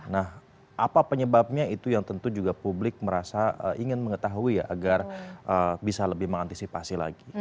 nah apa penyebabnya itu yang tentu juga publik merasa ingin mengetahui ya agar bisa lebih mengantisipasi lagi